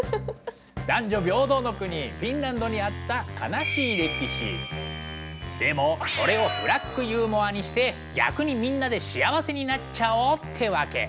男女平等の国フィンランドにあったでもそれをブラックユーモアにして逆にみんなで幸せになっちゃおうってわけ。